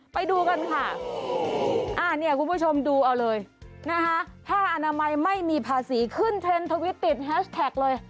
ไปดูกันค่ะเนี่ยคุณผู้ชมดูเอาเลยนะคะผ้าอนามัยไม่มีภาษีขึ้นเทรนด์ทวิตติดแฮชแท็กเลย